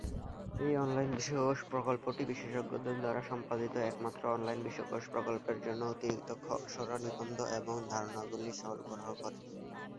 এই অনলাইন বিশ্বকোষ প্রকল্পটি বিশেষজ্ঞদের দ্বারা সম্পাদিত একমাত্র অনলাইন বিশ্বকোষ প্রকল্পের জন্য অতিরিক্ত খসড়া নিবন্ধ এবং ধারণাগুলি সরবরাহ করে।